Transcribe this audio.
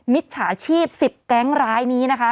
มิจฉาชีพ๑๐แก๊งร้ายนี้นะคะ